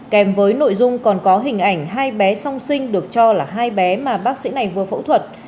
kèm với nội dung còn có hình ảnh hai bé song sinh được cho là hai bé mà bác sĩ này vừa phẫu thuật